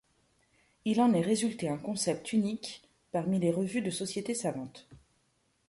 Il en est résulté un concept unique parmi les revues de sociétés savantes.